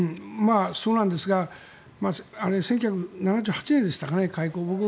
そうなんですが１９７８年でしたかね開港は。